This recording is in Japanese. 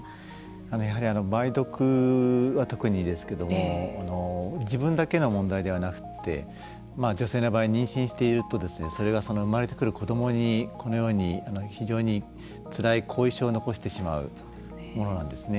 やはり梅毒は特にですけれども自分だけの問題ではなくて女性の場合妊娠しているとそれが生まれてくる子どもにこのように非常につらい後遺症を残してしまうものなんですね。